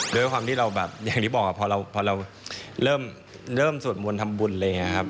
ด้วยความที่เราแบบอย่างที่บอกพอเราเริ่มส่วนบนทำบุญเลยครับ